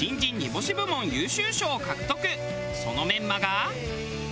そのメンマが。